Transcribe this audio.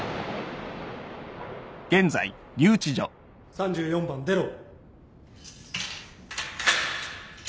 ・３４番出ろ。